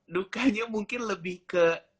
dukanya mungkin lebih ke